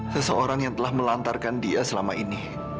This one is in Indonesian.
seseorang yang telah melantarkan dia selama ini